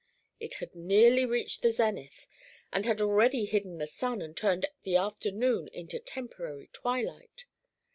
It had nearly reached the zenith, and had already hidden the sun and turned the afternoon into temporary twilight.